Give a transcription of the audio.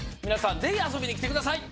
ぜひ遊びに来てください。